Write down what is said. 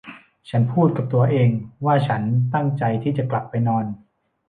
ฉันพูดกับตัวเองว่าฉันตั้งใจที่จะกลับไปนอน